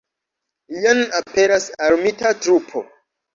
Jen aperas armita trupo.